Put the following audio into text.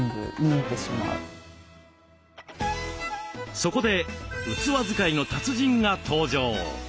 そこで器使いの達人が登場。